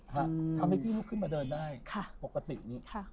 ทำให้พี่ลุกขึ้นมาเดินได้ปกตินี้